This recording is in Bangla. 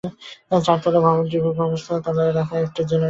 চারতলা ভবনটির ভূগর্ভস্থ তলায় রাখা একটি জেনারেটর থেকে আগুনের সূত্রপাত হয়।